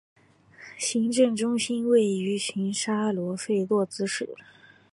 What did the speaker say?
行政中心位于瑙沙罗费洛兹市。